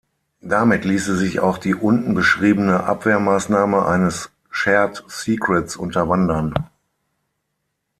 Damit ließe sich auch die unten beschriebene Abwehrmaßnahme eines Shared Secrets unterwandern.